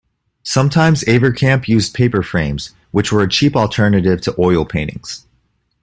Sometimes Avercamp used paper frames, which were a cheap alternative to oil paintings.